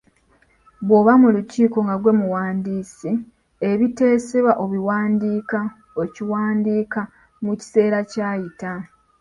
Bw’oba mu lukiiko nga ggwe muwandiisi, ebiteesebwa obiwandiika okiwandiika mu kiseera kyayita.